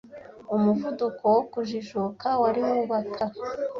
Umuvuduko wo kujijuka wari wubaka.